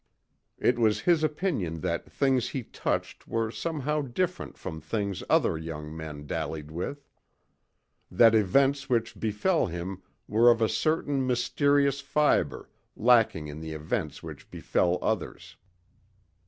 It was his opinion that things he touched were somehow different from things other young men dallied with; that events which befell him were of a certain mysterious fiber lacking in the events which befell others.